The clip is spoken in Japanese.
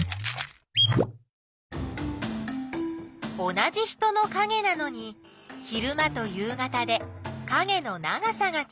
同じ人のかげなのに昼間と夕方でかげの長さがちがうふしぎ。